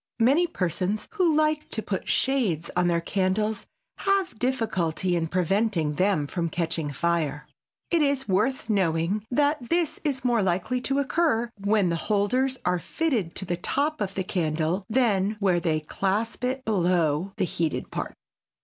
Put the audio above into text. Many persons who like to put shades on their candles have difficulty in preventing them from catching fire. It is worth knowing that this is more likely to occur when the holders are fitted to the top of the candle than where they clasp it below the heated part.